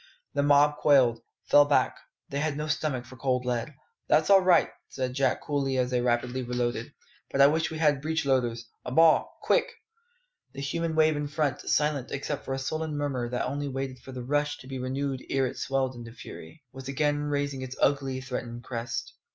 The mob quailed, fell back: "they had no stomach for cold lead. "That's all right," said Jack coolly as they rapidly reloaded; "but I wish we had breechloaders! A ball, quick!" The human wave in front, silent except for a sullen murmur that only waited for the rush to be renewed ere it swelled into fury, was again raising its ugly, threatening crest.